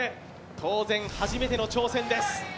当然、初めての挑戦です。